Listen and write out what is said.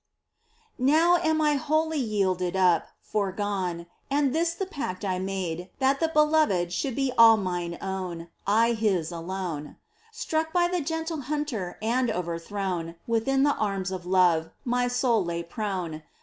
Now am I wholly yielded up, foregone, And this the pact I made, That the Beloved should be all mine own, I His alone ! Struck by the gentle Hunter And overthrown. Within the arms of Love My soul lay prone.